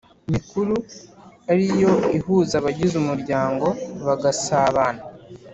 mikuru ari yo ihuza abagize umuryango bagasabana